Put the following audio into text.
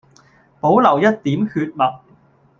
保留一點血脈